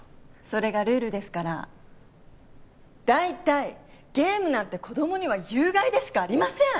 それがルールですから大体ゲームなんて子供には有害でしかありません